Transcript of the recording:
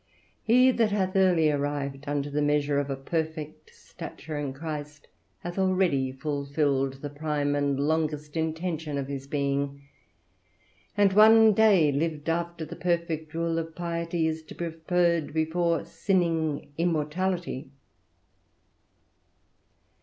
He that hath early arrived unto the measure of a perfect stature in Christ, hath already fulfilled the prime and longest intention of his being; and one day lived after the perfect rule of piety is to be preferred before sinning immortality.